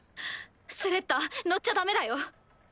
スレッタ乗っちゃダメだよ。